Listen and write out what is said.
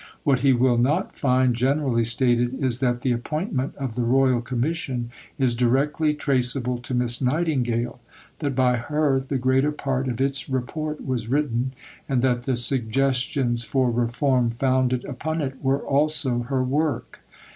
What he will not find generally stated is that the appointment of the Royal Commission is directly traceable to Miss Nightingale, that by her the greater part of its Report was written, and that the suggestions for reform founded upon it were also her work.